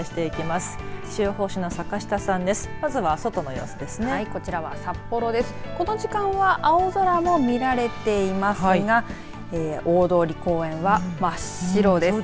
この時間は青空も見られていますが大通公園は真っ白です。